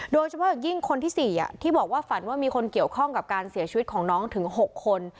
โดยเฉพาะอย่างยิ่งคนที่๔ที่บอกว่าฝันว่ามีคนเกี่ยวข้องกับการเสียชีวิตของน้องถึง๖คน